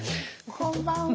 こんばんは。